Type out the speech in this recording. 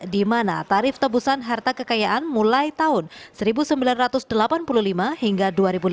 di mana tarif tebusan harta kekayaan mulai tahun seribu sembilan ratus delapan puluh lima hingga dua ribu lima belas